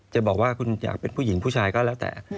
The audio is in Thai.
จะบอกว่าคุณอยากเป็นผู้หญิงผู้ชายก็แล้วแต่